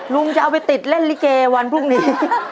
ลุงจะเอาไปติดเล่นลิเกวันพรุ่งนี้